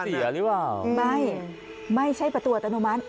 เสียหรือเปล่าไม่ไม่ใช่ประตูอัตโนมัติ